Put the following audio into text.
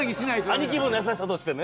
兄貴分の優しさとしてね。